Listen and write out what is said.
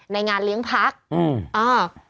ในงานเลี้ยงพักอืมอ่า